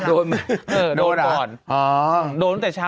โดนก่อนโดนตั้งแต่เช้า